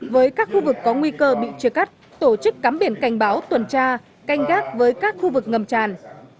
với các khu vực có nguy cơ bị chia cắt tổ chức cắm biển cảnh báo tuần tra canh gác với các khu vực ngầm tràn